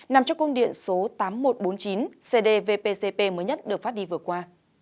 nằm trong công điện số tám nghìn một trăm bốn mươi chín cdvcp mới nhất được phát đi vừa qua